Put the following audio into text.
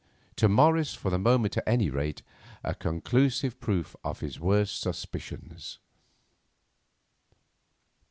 To Morris, for the moment at any rate, a conclusive proof of his worst suspicions.